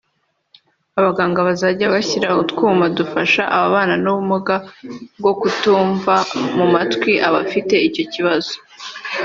abaganga bazajya bashyira utwuma dufasha ababana n’ubumuga bwo kutumva mu matwi abafite icyo kibazo